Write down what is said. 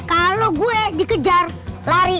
kalau gue dikejar lari